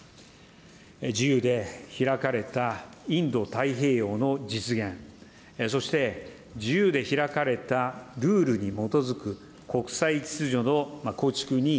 自由で開かれたインド太平洋の実現、そして、自由で開かれたルールに基づく国際秩序の構築に、